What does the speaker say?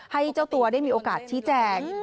ให้เจ้าตัวได้มีโอกาสชี้แจง